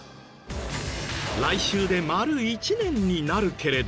来週で丸１年になるけれど。